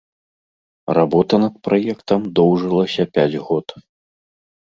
Работа над праектам доўжылася пяць год.